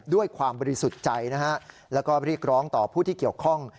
ด้วยความบริสุทธิ์ใจนะฮะแล้วก็เรียกร้องต่อผู้ที่เกี่ยวข้อง